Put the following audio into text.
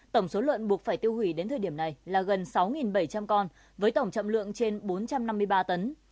tổng số lợn buộc phải tiêu hủy đến thời điểm này là gần sáu bảy trăm linh con với tổng trọng lượng trên bốn trăm năm mươi ba tấn